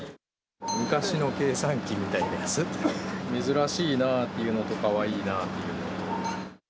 昔の計算機みたいなやつ、珍しいなというのと、かわいいなというのと。